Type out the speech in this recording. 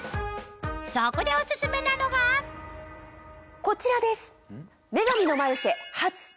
そこでオススメなのがこちらです。